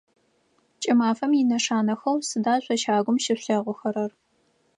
Кӏымафэм инэшанэхэу сыда шъо щагум щышъулъэгъухэрэр?